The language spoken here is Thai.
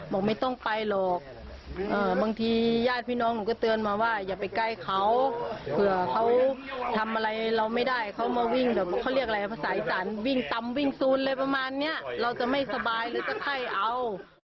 บอกไม่ต้องไปหรอกบางทีญาติพี่น้องหนูก็เตือนมาว่าอย่าไปใกล้เขาเผื่อเขาทำอะไรเราไม่ได้เขามาวิ่งแบบเขาเรียกอะไรภาษาอีสานวิ่งตำวิ่งซูนอะไรประมาณเนี้ยเราจะไม่สบายหรือจะไข้เอา